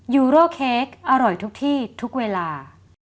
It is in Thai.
ยูโร่เค้กอร่อยทุกที่ทุกเวลา